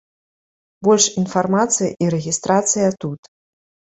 Больш інфармацыі і рэгістрацыя тут.